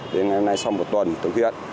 đến ngày hôm nay sau một tuần tổng thiện